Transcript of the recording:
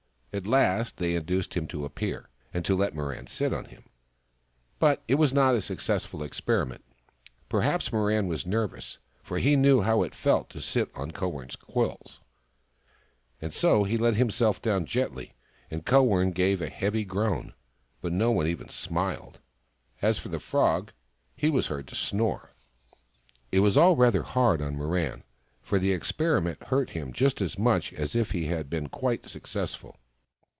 At last they induced him to appear, and to let Mirran sit on him. But it was not a successful experiment. Perhaps Mirran was nervous, for he knew how it felt to sit on Kowern's quills ; and so he let himself down gently, and Kowern gave a heavy groan, but no one even smiled. As for the Frog, he was heard to snore. It was all rather hard on Mirran, for the experi ment hurt him just as much as if it had been quite successful.